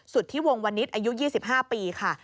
สุดที่วงวันนิตรอายุ๒๕ปีค่ะ